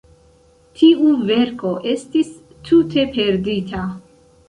Tiu verko estis tute perdita!